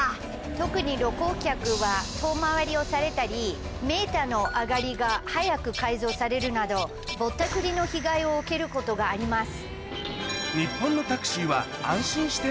特に旅行客は遠回りをされたりメーターの上がりが速く改造されるなどぼったくりの被害を受けることがあります。